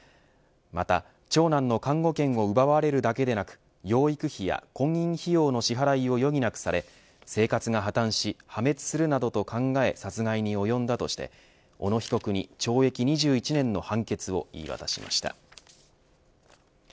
また長男の監護権を奪われるだけでなく養育費や婚姻費用の支払いを余儀なくされ生活が破綻し、破滅するなどと考え殺害に及んだとして小野被告に懲役２１年の判決を言い渡しました。